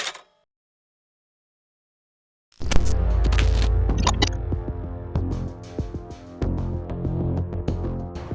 สวัสดีครับ